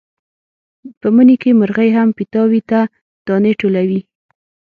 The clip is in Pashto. په مني کې مرغۍ هم پیتاوي ته دانې ټولوي.